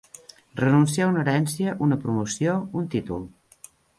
Renunciar una herència, una promoció, un títol.